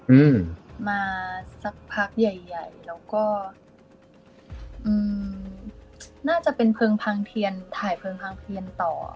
อืมมาสักพักใหญ่ใหญ่แล้วก็อืมน่าจะเป็นเพลิงพังเทียนถ่ายเพลิงพังเทียนต่อ